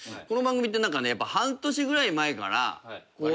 この番組って半年ぐらい前から。